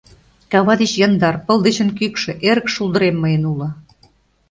Кава деч яндар, пыл дечын кӱкшӧ Эрык шулдырем мыйын уло.